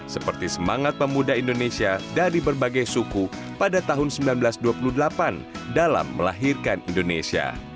seperti semangat pemuda indonesia dari berbagai suku pada tahun seribu sembilan ratus dua puluh delapan dalam melahirkan indonesia